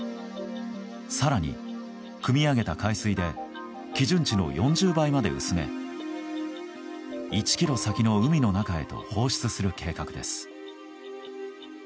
更に、くみ上げた海水で基準値の４０倍まで薄め１ｋｍ先の海の中へと放出する計画です。